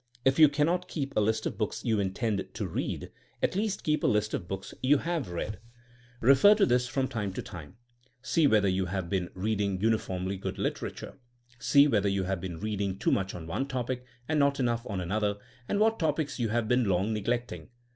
If you cannot keep a list of books you intend to read, at least keep a list of books you have read. Refer to this from 230 THZNEma AS A 80IEN0E time to time. See whether you have been read ing uniformly good literature. See whether you have been reading too much on one topic and not enough on another, and what topics you have been long neglecting.